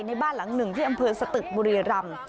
บ้านหลังหนึ่งที่อำเภอสตึกบุรีรำ